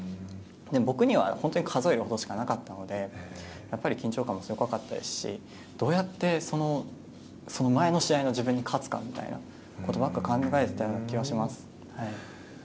でも、僕には本当に数えるほどしかなかったのでやっぱり緊張感はすごかったですしどうやってその前の自分に勝つかということばかり考えてたような気がします。